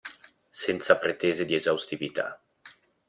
Senza pretese di esaustività.